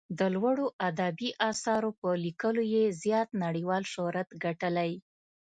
د لوړو ادبي اثارو په لیکلو یې زیات نړیوال شهرت ګټلی.